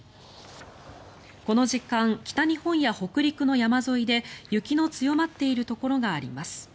この時間北日本や北陸の山沿いで雪の強まっているところがあります。